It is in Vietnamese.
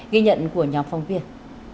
ghi nhận của nhóm phóng viên